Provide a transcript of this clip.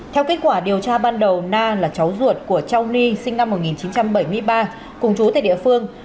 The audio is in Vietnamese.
theo kết quả điều tra ban đầu na là cháu ruột của châu ni sinh năm một nghìn chín trăm bảy mươi ba cùng chú tại địa phương